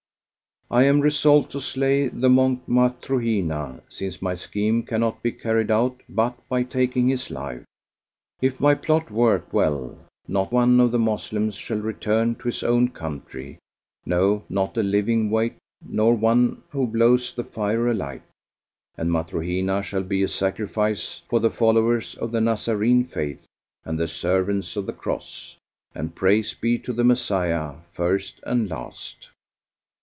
I am resolved to slay the Monk Matruhina, since my scheme cannot be carried out but by taking his life. If my plot work well, not one of the Moslems shall return to his own country; no, not a living wight nor one who blows the fire alight; and Matruhina shall be a sacrifice for the followers of the Nazarene faith and the servants of the Cross, and praise be to the Messiah, first and last."